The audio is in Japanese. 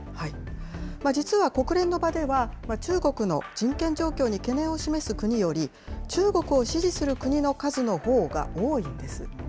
実は国連の場では、中国の人権状況に懸念を示す国より、中国を支持する国の数のほうが多いようなんです。